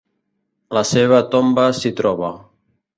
La seva tomba s'hi troba.